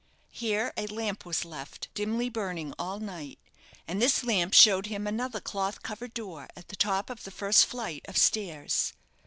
Here a lamp was left dimly burning all night, and this lamp showed him another cloth covered door at the top of the first flight of stairs.